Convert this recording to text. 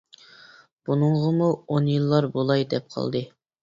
بۇنىڭغىمۇ ئون يىللار بولاي دەپ قالدى.